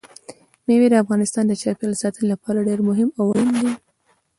مېوې د افغانستان د چاپیریال ساتنې لپاره ډېر مهم او اړین دي.